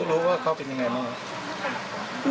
รู้เมื่อเขาเป็นอย่างไรบ้าง